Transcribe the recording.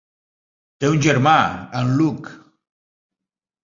Té un germà, en Luke.